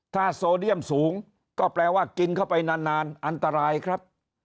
ถ้าโซเดียมสูงก็แปลว่ากินเข้าไปนานอันตรายครับ